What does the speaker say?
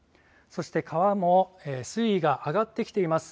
そして、川も水位が上がってきています。